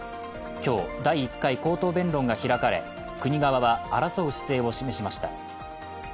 今日、第１回、口頭弁論が開かれ国側は、争う姿勢を示しました。